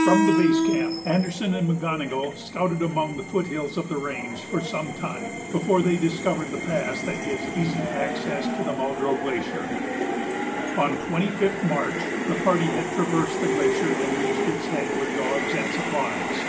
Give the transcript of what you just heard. From the base camp Anderson and McGonogill scouted among the foot hills of the range for some time before they discovered the pass that gives easy access to the Muldrow Glacier. On 25th March the party had traversed the glacier and reached its head with dogs and supplies.